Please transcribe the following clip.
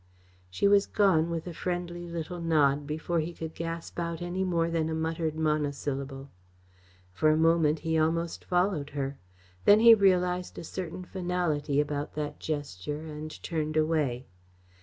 She was gone with a friendly little nod before he could gasp out any more than a muttered monosyllable. For a moment he almost followed her. Then he realised a certain finality about that gesture and turned away.